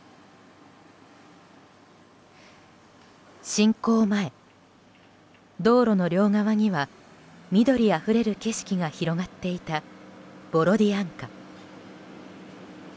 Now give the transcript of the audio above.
侵攻前、道路の両側には緑あふれる景色が広がっていたボロディアンカ。